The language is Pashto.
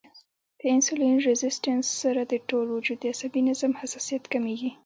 د انسولين ريزسټنس سره د ټول وجود د عصبي نظام حساسیت کميږي